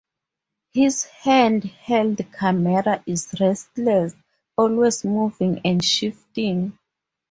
His hand-held camera is restless, always moving and shifting.